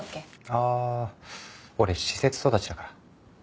あー俺施設育ちだから。